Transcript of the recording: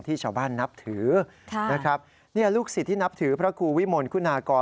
ที่ชาวบ้านนับถือนะครับเนี่ยลูกศิษย์ที่นับถือพระครูวิมลคุณากร